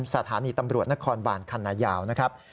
สถานีตำรวจนครบานคันนายาวนะครับ